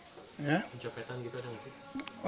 pencopetan gitu ada gak sih